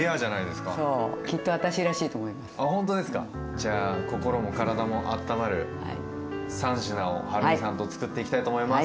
じゃあ心も体もあったまる３品をはるみさんとつくっていきたいと思います。